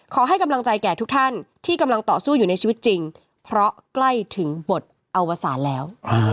ขอให้กำลังใจแก่ทุกท่านที่กำลังต่อสู้อยู่ในชีวิตจริงเพราะใกล้ถึงบทอวสารแล้ว